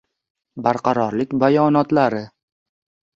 Barqarorlik bayonotlari